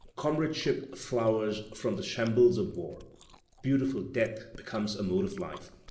Comradeship flowers from the shambles of War. "Beautiful Death" becomes a mode of life.